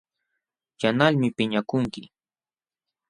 Yanqalmi piñakunki.